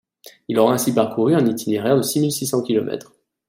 Il aura ainsi parcouru un itinéraire de six mille six cents kilomètres.